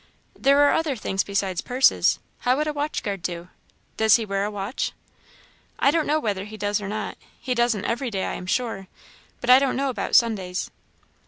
"There are other things besides purses. How would a watch guard do? Does he wear a watch?" "I don't know whether he does or not; he doesn't every day, I am sure, but I don't know about Sundays."